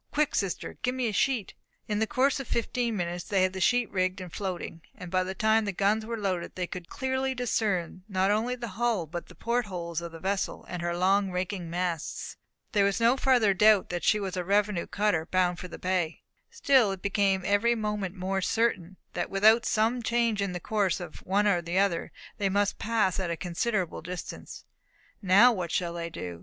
Quick, sister, get me a sheet!" In the course of fifteen minutes they had the sheet rigged and floating; and by the time the guns were loaded, they could clearly discern not only the hull, but the port holes of the vessel, and her long raking masts. There was no further doubt that she was a revenue cutter bound for the bay. Still it became every moment more certain that without some change in the course of one or the other, they must pass at a considerable distance. Now what should they do?